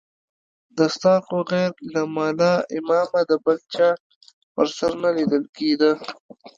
دستار خو غير له ملا امامه د بل چا پر سر نه ليدل کېده.